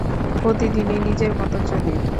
প্রতিদিনই নিজের মতো চলি।